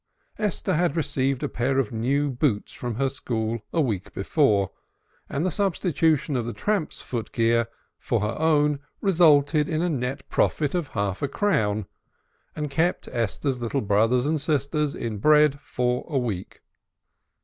Esther had received a pair of new boots from her school a week before, and the substitution, of the tramp's foot gear for her own resulted in a net profit of half a crown, and kept Esther's little brothers and sisters in bread for a week.